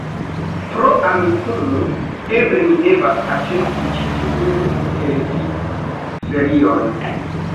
Pro Amikumu, eble mi devas aĉeti ĉi tiun televidserion